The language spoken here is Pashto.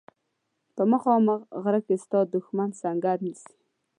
په مخامخ غره کې ستا دښمن سنګر نیسي.